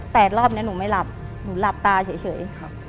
แต่รอบนี้หนูไม่หลับหนูหลับตาเฉย